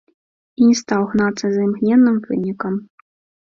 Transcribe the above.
І не стаў гнацца за імгненным вынікам.